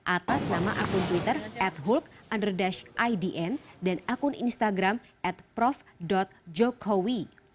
atas nama akun twitter at hulk idn dan akun instagram at prof jokowi